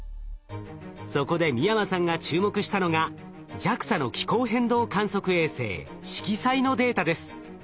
そこで美山さんが注目したのがＪＡＸＡの気候変動観測衛星しきさいのデータです。